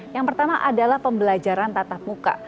yang pertama adalah pembelajaran tatap muka